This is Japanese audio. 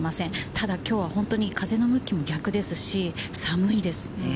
ただきょうは本当に風の向きも逆ですし、寒いです。